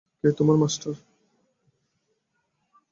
কে তোমার মাস্টার?